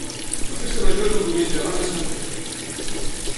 La festa major és el diumenge abans de Sant Pere.